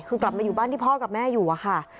คือกลับมาอยู่บ้านที่พ่อกับแม่อยู่อะค่ะ